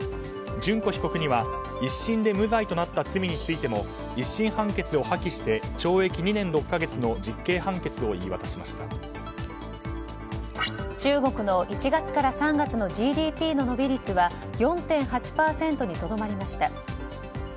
諄子被告には１審で無罪となった罪についても１審判決を破棄して懲役２年６か月の実刑判決を中国の１月から３月のＧＤＰの伸び率は４．８％にとどまりました。